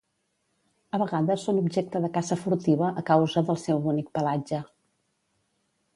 A vegades són objecte de caça furtiva a causa del seu bonic pelatge.